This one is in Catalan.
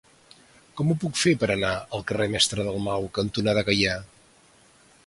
Com ho puc fer per anar al carrer Mestre Dalmau cantonada Gaià?